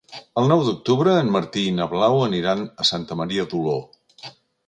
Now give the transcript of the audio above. El nou d'octubre en Martí i na Blau aniran a Santa Maria d'Oló.